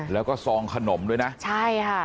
แล้วก็ซองขนมด้วยนะใช่ค่ะ